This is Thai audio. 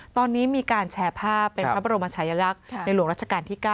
ตอนนี้มีการแชร์ภาพเป็นพระบรมชายลักษณ์ในหลวงรัชกาลที่๙